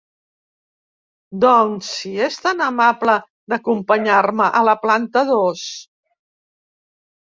Doncs si és tan amable d'acompanyar-me a la planta dos.